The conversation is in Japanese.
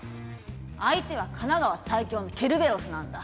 相手は神奈川最強のケルベロスなんだ。